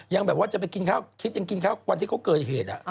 ยังแบบว่าจะไปกินข้าวคิดยังกินข้าววันที่เขาเกิดเหตุ